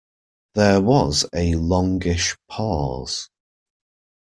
There was a longish pause.